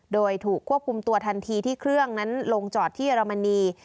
โดยถูกควบคุมตัวทันทีที่เครื่องนั้นลงจอดที่เยอรมนี